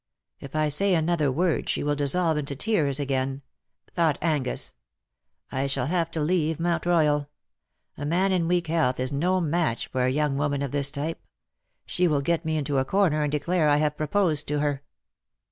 " If I say another word she will dissolve into tears again," thought Angus. ^^ I shall have to leave Mount Royal : a man in weak health is no match for a young woman of this type. She will get me into a corner and declare I have proposed to her."